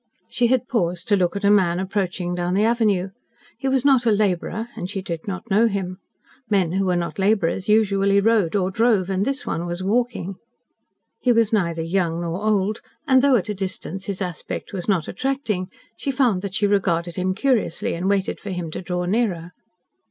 She had paused to look at a man approaching down the avenue. He was not a labourer, and she did not know him. Men who were not labourers usually rode or drove, and this one was walking. He was neither young nor old, and, though at a distance his aspect was not attracting, she found that she regarded him curiously, and waited for him to draw nearer.